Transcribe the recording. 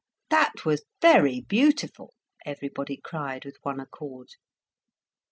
"That was very beautiful," everybody cried with one accord.